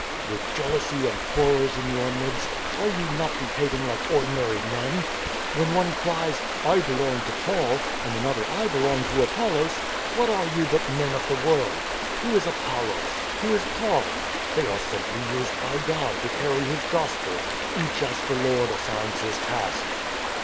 " With jealousy and quarrels in your midst, are ye not behaving like ordinary men ? When one cries ' I belong to Paul,' and another ' I belong to Apollos,' what are you but men of the world ? Who is Apollos ? Who is Paul ? They are simply used by God to carry His Gospel, each as the Lord assigns his task.